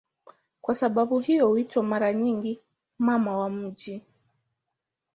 Kwa sababu hiyo huitwa mara nyingi "Mama wa miji".